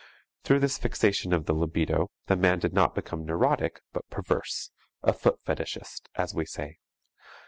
Through this fixation of the libido the man did not become neurotic but perverse, a foot fetishist, as we say.